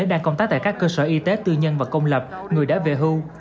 đang công tác tại các cơ sở y tế tư nhân và công lập người đã về hưu